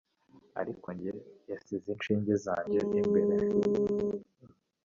ariko njye, yasize inshinge zanjye imbere